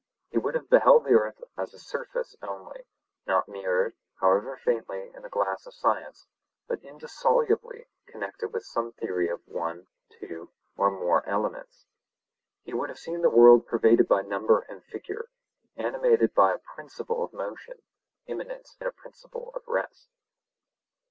He would have beheld the earth a surface only, not mirrored, however faintly, in the glass of science, but indissolubly connected with some theory of one, two, or more elements. He would have seen the world pervaded by number and figure, animated by a principle of motion, immanent in a principle of rest.